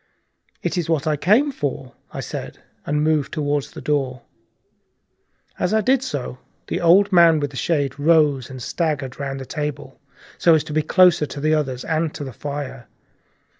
"It is what I came for," I said, and moved toward the door. As I did so, the old man with the shade rose and staggered round the table, so as to be closer to the others and to the fire.